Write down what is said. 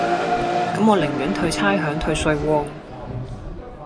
咁我寧願退差餉退稅喎